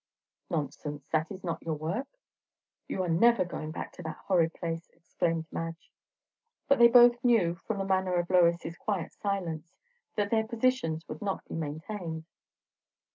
"Nonsense! That is not your work." "You are never going back to that horrid place!" exclaimed Madge. But they both knew, from the manner of Lois's quiet silence, that their positions would not be maintained.